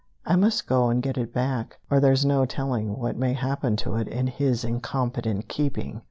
I must go and get it back, or there's no telling what may happen to it in his incompetent keeping!"